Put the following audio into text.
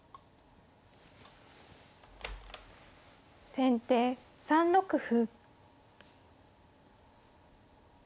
先手３六歩。